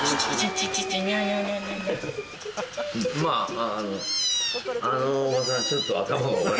まああの。